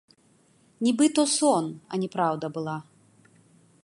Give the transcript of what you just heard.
Нібы то сон, а не праўда была.